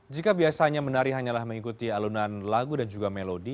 jika biasanya menari hanyalah mengikuti alunan lagu dan juga melodi